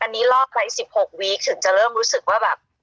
อันนี้รอดไป๑๖วีคถึงจะเริ่มรู้สึกว่าแบบ